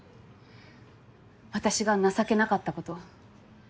私が情けなかったこと。